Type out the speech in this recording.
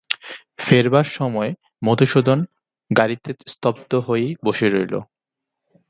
ফেরবার সময় মধুসূদন গাড়িতে স্তব্ধ হয়েই বসে রইল।